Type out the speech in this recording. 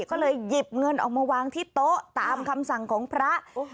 ก็เลยหยิบเงินออกมาวางที่โต๊ะตามคำสั่งของพระ